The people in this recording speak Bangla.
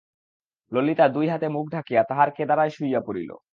ললিতা দুই হাতে মুখ ঢাকিয়া তাহার কেদারায় শুইয়া পড়িল।